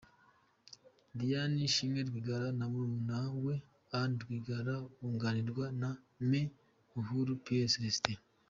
Diane Shima Rwigara, na murumuna we Anne Rwigara bunganirwa na Me Buhuru Pierre Celestin.